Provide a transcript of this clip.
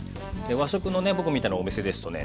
和食のね僕みたいなお店ですとね